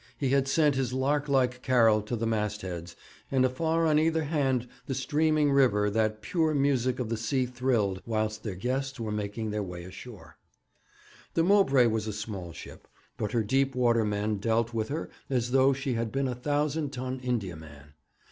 He had sent his lark like carol to the mastheads, and afar on either hand the streaming river that pure music of the sea thrilled, whilst their guests were making their way ashore. The Mowbray was a small ship, but her deep water men dealt with her as though she had been a thousand ton Indiaman.